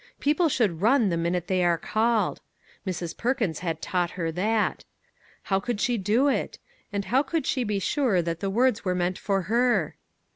People should run the minute they are called. Mrs. Perkins had taught her that. How could she do it? And how could she be sure that the words were meant for her?